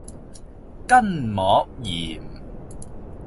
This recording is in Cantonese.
筋膜炎